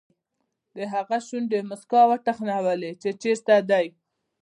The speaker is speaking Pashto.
د هغه شونډې موسکا وتخنولې چې چېرته دی.